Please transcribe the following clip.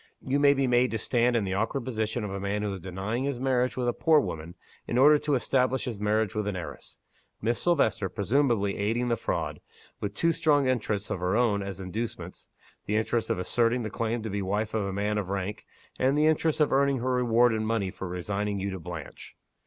You may be made to stand in the awkward position of a man who is denying his marriage with a poor woman, in order to establish his marriage with an heiress: Miss Silvester presumably aiding the fraud, with two strong interests of her own as inducements the interest of asserting the claim to be the wife of a man of rank, and the interest of earning her reward in money for resigning you to Blanche.